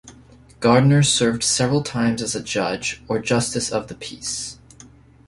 Gardner served several times as a judge, or justice of the peace.